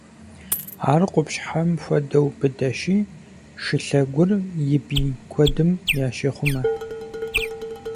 Ар къупщхьэм хуэдэу быдэщи, шылъэгур и бий куэдым ящехъумэ.